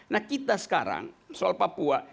nah kita sekarang soal papua